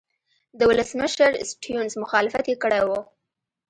د ولسمشر سټیونز مخالفت یې کړی و.